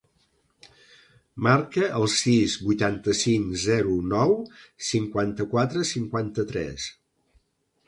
Marca el sis, vuitanta-cinc, zero, nou, cinquanta-quatre, cinquanta-tres.